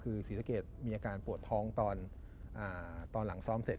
คือศรีสะเกดมีอาการปวดท้องตอนหลังซ้อมเสร็จ